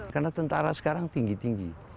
karena tentara sekarang tinggi tinggi